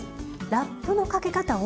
ラップのかけ方を。